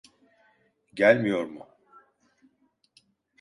Gelmiyor mu?